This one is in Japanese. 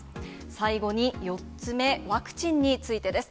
最後に４つ目、ワクチンについてです。